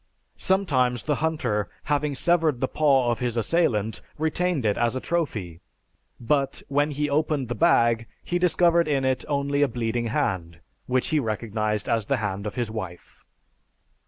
Sometimes the hunter, having severed the paw of his assailant, retained it as a trophy; but, when he opened his bag, he discovered in it only a bleeding hand, which he recognized as the hand of his wife.